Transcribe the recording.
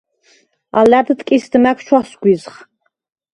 ალა̈რდ ტკისდ მა̈გ ჩვასგვიზხ.